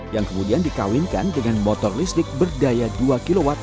yang kemudian dikawinkan dengan motor listrik berdaya dua kw